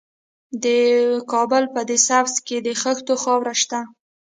د کابل په ده سبز کې د خښتو خاوره شته.